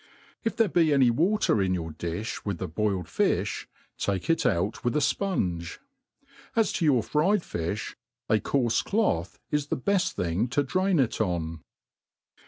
If xhexe be any ^ater in your diih with the boiled fi{b, take it out with a fpunge. As to your fried fiil), ^coarfe cloth i& the h^eft thing to drain it on.